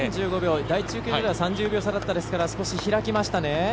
第１中継所では３０秒ぐらいですから少し開きましたね。